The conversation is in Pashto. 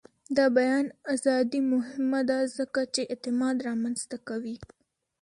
د بیان ازادي مهمه ده ځکه چې اعتماد رامنځته کوي.